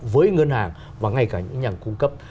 với ngân hàng và ngay cả những nhà cung cấp